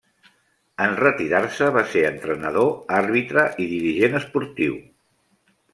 En retirar-se va ser entrenador, àrbitre i dirigent esportiu.